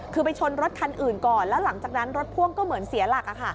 คือไปชนรถคันอื่นก่อนแล้วหลังจากนั้นรถพ่วงก็เหมือนเสียหลัก